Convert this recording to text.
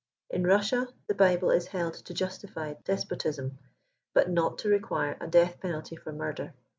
In Russia the Bible is held to justify despotism, but not to require a death penalty for murder.